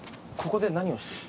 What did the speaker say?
ここで何をしている？